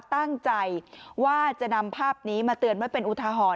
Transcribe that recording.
ตั้งใจว่าจะนำภาพนี้มาเตือนไว้เป็นอุทาหรณ